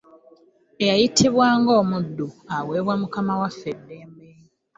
Eyayitibwa ng'omuddu, aweebwa Mukama waffe eddembe.